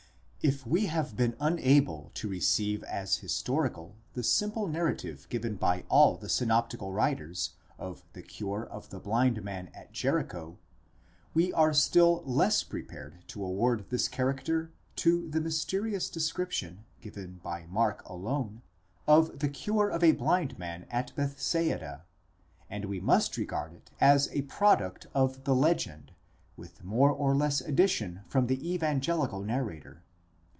If we have been unable to receive as historical the simple narrative given by all the synoptical writers of the cure of the blind man at Jericho, we are still less prepared to award this character to the mysterious description, given by Mark alone, of the cure of a blind man at Bethsaida, and we must regard it as a product of the legend, with more or less addition from the evangelical nairator.